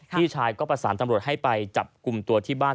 พี่ชายก็ประสานตำรวจให้ไปจับกลุ่มตัวที่บ้าน